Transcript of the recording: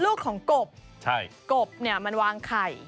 ลูกของกบกบเนี่ยมันวางไข่